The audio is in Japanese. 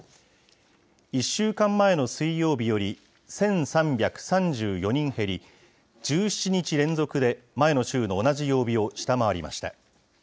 １週間前の水曜日より１３３４人減り、１７日連続で前の週の同じ曜日を下回りました。